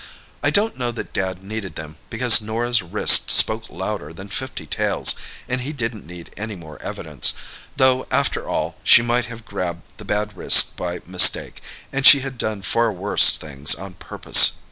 I don't know that Dad needed them, because Norah's wrist spoke louder than fifty tales, and he didn't need any more evidence, though after all, she might have grabbed the bad wrist by mistake, and she had done far worse things on purpose.